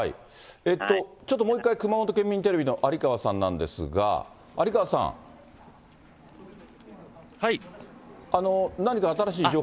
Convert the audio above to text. ちょっともう一回、熊本県民テレビの有川さんなんですが、有はい。